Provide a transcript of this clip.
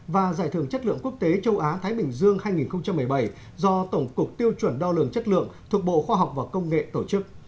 và giải thưởng chất lượng quốc tế châu á thái bình dương hai nghìn một mươi bảy do tổng cục tiêu chuẩn đo lường chất lượng thuộc bộ khoa học và công nghệ tổ chức